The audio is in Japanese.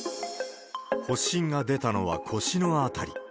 発疹が出たのは腰の辺り。